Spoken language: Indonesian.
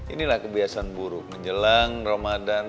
inilah kebiasaan buruk menjelang ramadan